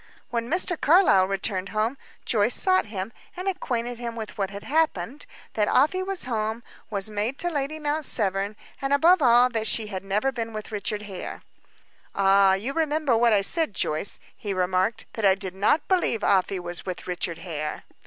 When Mr. Carlyle returned home Joyce sought him, and acquainted him with what had happened; that Afy was come; was maid to Lady Mount Severn; and, above all, that she had never been with Richard Hare. "Ah! You remember what I said, Joyce," he remarked. "That I did not believe Afy was with Richard Hare."